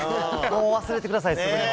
もう忘れてください。